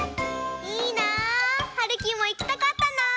いいな！はるきもいきたかったな！